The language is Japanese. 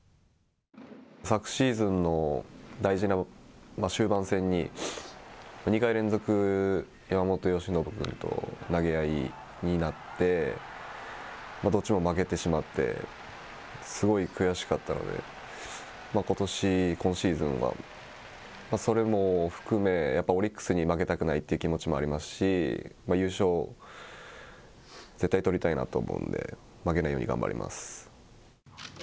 昨シーズンの大事な終盤戦に、２回連続山本由伸君と投げ合いになって、どっちも負けてしまって、すごい悔しかったので、ことし、今シーズンは、それも含め、やっぱりオリックスに負けたくないという気持ちもありますし、優勝、絶対取りたいなと思うので、負けないように頑張ります。